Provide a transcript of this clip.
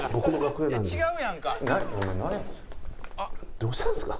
どうしたんですか？